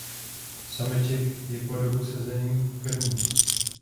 Sameček ji po dobu sezení krmí.